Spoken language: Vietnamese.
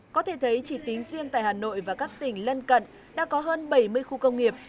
có thể thấy chỉ tính riêng tại hà nội và các tỉnh lân cận đã có hơn bảy mươi khu công nghiệp